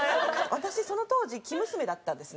私その当時生娘だったんですね。